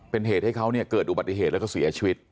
เป็นเหตุให้เขาเนี่ยเกิดอุบัติเหตุแล้วก็เสียชีวิต